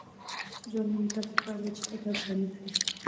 ځوانانو ته پکار ده چې، ادب غني کړي.